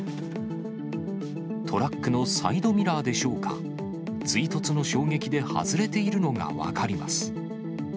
トラックのサイドミラーでしょうか、追突の衝撃で外れているのが分かります。